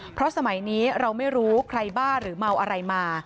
เพราะสมัยนี้เราไม่รู้ใครบ้าหรือเมาอะไรมา